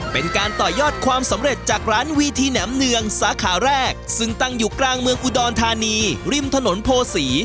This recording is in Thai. เป็นการต่อยอดความสำเร็จจากร้านวีทีแหนมเนืองสาขาแรกซึ่งตั้งอยู่กลางเมืองอุดรธานีริมถนนโพศี